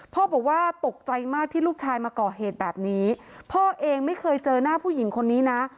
พ่อบอกว่าตกใจมากที่ลูกชายมาก่อเหตุแบบนี้พ่อเองไม่เคยเจอหน้าผู้หญิงคนนี้นะ